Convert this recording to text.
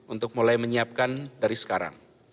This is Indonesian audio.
untuk mulai menyiapkan dari sekarang